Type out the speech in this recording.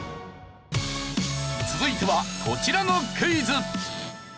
続いてはこちらのクイズ。